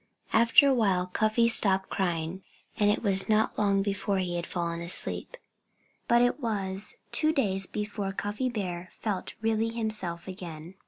After a while Cuffy stopped crying. And it was not long before he had fallen asleep. But it was two days before Cuffy Bear felt really himself again.